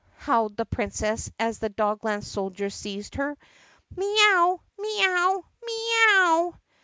howled the Princess as the Dogland soldiers seized her. "Mee ow! mee ow! mee ow!"